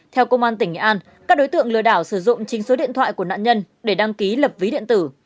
theo công an tỉnh nghệ an các đối tượng lừa đảo sử dụng chính số điện thoại của nạn nhân để đăng ký lập ví điện tử